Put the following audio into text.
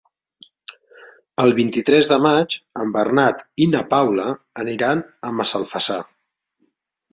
El vint-i-tres de maig en Bernat i na Paula aniran a Massalfassar.